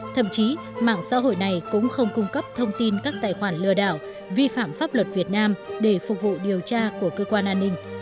thậm chí mạng xã hội này cũng không cung cấp thông tin các tài khoản lừa đảo vi phạm pháp luật việt nam để phục vụ điều tra của cơ quan an ninh